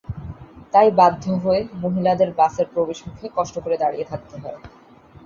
তাই বাধ্য হয়ে মহিলাদের বাসের প্রবেশমুখে কষ্ট করে দাঁড়িয়ে থাকতে হয়।